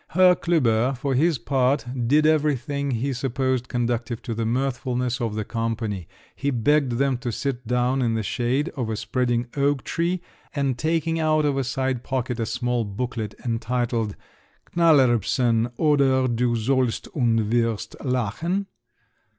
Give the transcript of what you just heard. Herr Klüber, for his part, did everything he supposed conducive to the mirthfulness of the company; he begged them to sit down in the shade of a spreading oak tree, and taking out of a side pocket a small booklet entitled, "_Knallerbsen; oder du sollst und wirst lachen!